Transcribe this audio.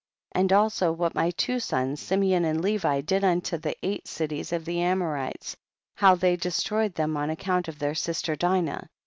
And also what my two sons Simeon and Levi did unto the eight cities of the Amorites, how they des troyed them on account of their sis ter Dinah